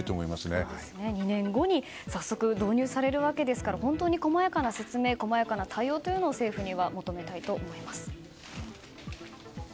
２年後に早速、導入されるわけですから細やかな説明、細やかな対応を政府には求めたいと思います。